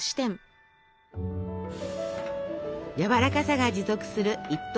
やわらかさが持続する一等